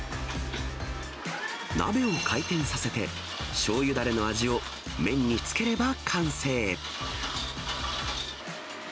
鍋を回転させて、しょうゆだれの味を麺につければ完成。